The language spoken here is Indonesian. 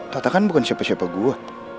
tata kan bukan siapa siapa gue